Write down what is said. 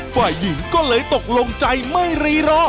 ฝ่ายหญิงก็เลยตกลงใจไม่รีรอ